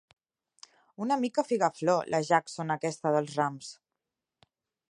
Una mica figaflor, la Jackson aquesta dels rams.